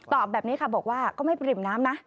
แบบนี้ค่ะบอกว่าก็ไม่ปริ่มน้ำนะ